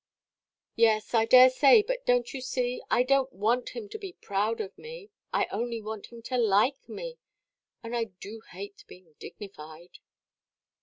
"Yes, I dare say; but donʼt you see, I donʼt want him to be proud of me. I only want him to like me. And I do hate being dignified."